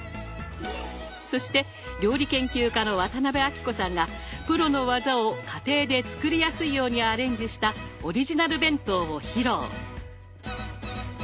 そして料理研究家の渡辺あきこさんがプロの技を家庭で作りやすいようにアレンジしたオリジナル弁当を披露。